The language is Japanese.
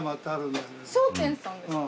聖天さんですか。